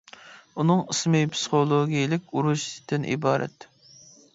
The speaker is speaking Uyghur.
ئۇنىڭ ئىسمى «پىسخولوگىيەلىك ئۇرۇش» تىن ئىبارەت.